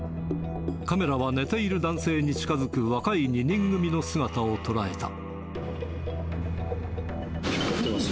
カメラは寝ている男性に近づく若い２人組の姿を捉えた。